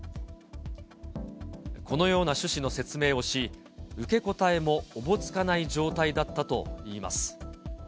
このような趣旨の説明をし、受け答えもおぼつかない状態だったといいます。